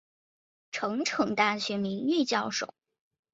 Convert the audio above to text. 成城大学名誉教授。